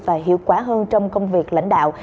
và hiệu quả hơn trong công việc lãnh đạo